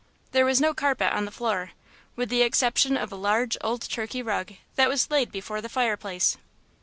There was no carpet on the floor, with the exception of a large, old Turkey rug that was laid before the fireplace.